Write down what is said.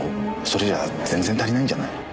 それじゃあ全然足りないんじゃない？